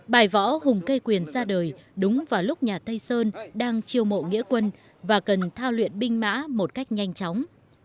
bài võ hùng cây quyền ra đời đúng vào lúc nhà tây sơn đang chiêu mộ nghĩa quân và cần thao luyện binh mã một cách nhanh chóng